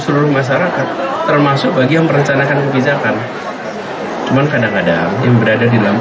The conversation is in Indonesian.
seluruh masyarakat termasuk bagi yang merencanakan kebijakan cuman kadang kadang yang berada di dalam